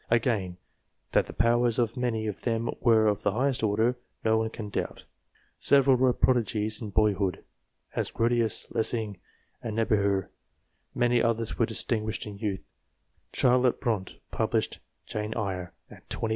Again, that the powers of many of them were of the highest order, no one can doubt. Several were prodigies in boyhood, as Grotius, Lessing, and Niebuhr ; many others were distinguished in youth ; Charlotte Bronte published " Jane Eyre " set.